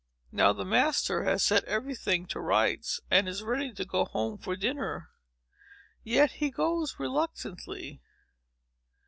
Now the master has set every thing to rights, and is ready to go home to dinner. Yet he goes reluctantly.